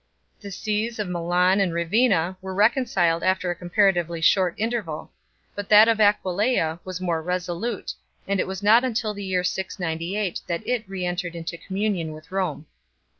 The sees of Milan and Ravenna were reconciled after a comparatively short interval, but that of Aquileia was more resolute, and it was not until the year 698 that it re entered into communion with Rome.